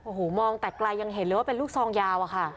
โอ้โหมองแต่ไกลยังเห็นเลยว่าเป็นลูกซองยาวอะค่ะ